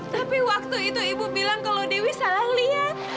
tapi waktu itu ibu bilang kalau dewi salah lihat